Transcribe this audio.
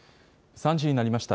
３時になりました。